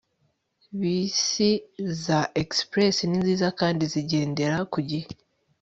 bisi za express ni nziza kandi zigendera ku gihe